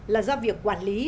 là do việc quản lý